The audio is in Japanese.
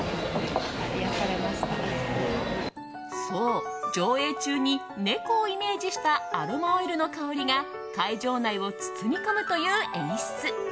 そう、上映中に猫をイメージしたアロマオイルの香りが会場内を包み込むという演出。